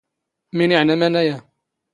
ⵎⵉⵏ ⵉⵄⵏⴰ ⵎⴰⵏ ⴰⵢⴰ.